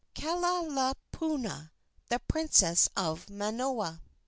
KAHALAOPUNA, THE PRINCESS OF MANOA.